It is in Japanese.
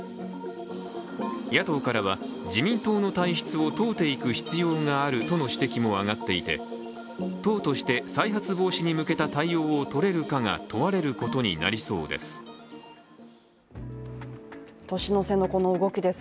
野党からは、自民党の体質を問うていく必要があるとの指摘も上がっていて、党として再発防止に向けた対応をとれるかが問われることになりそうです。